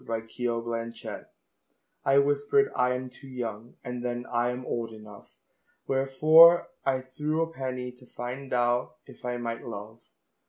Yeats 1865 1939 I whispered, "I am too young," And then, "I am old enough"; Wherefore I threw a penny To find out if I might love.